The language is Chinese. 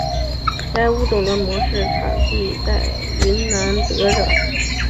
该物种的模式产地在云南德钦。